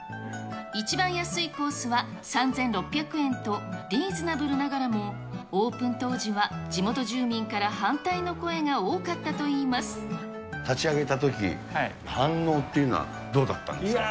一番安いコースは３６００円と、リーズナブルながらもオープン当時は地元住民から反対の声が多か立ち上げたとき、反応っていうのはどうだったんですか？